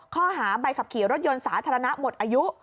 ข้อหาใบขับขี่รถยนต์สาธารณะหมดอายุ